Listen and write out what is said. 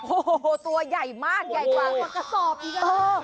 โอ้โหตัวใหญ่มากใหญ่กว่าตัวกระสอบอีก